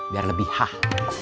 biar lebih hah